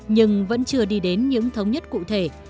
nhưng vẫn chưa đi đến những thống nhất cụ thể